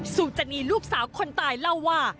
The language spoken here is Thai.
สุจนีลูกสาวคนตายเล่าว่า